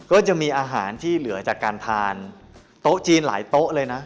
ก็จะมีอาหารที่เหลือจากการทานโต๊ะจีนหลายโต๊ะเลยนะ